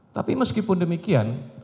tapi meskipun demikian